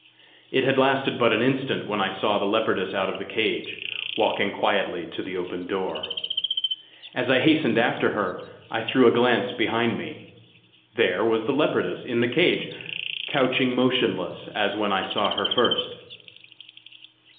It had lasted but an instant when I saw the leopardess out of the cage, walking quietly to the open door. As I hastened after her I threw a glance behind me: there was the leopardess in the cage, couching motionless as when I saw her first.